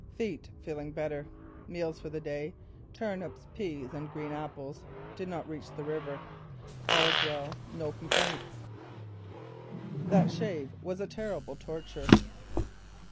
Feet feeling better. Meals for the day: turnips, peas and green apples. Did not reach the river. All's well. No complaints." That shave was a terrible torture.